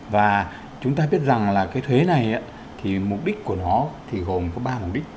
và chúng ta biết rằng là cái thuế này thì mục đích của nó thì gồm có ba mục đích